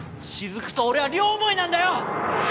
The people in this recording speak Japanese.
雫と俺は両思いなんだよ！